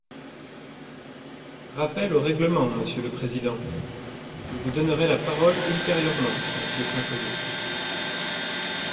Rappel au règlement, monsieur le président ! Je vous donnerai la parole ultérieurement, monsieur Accoyer.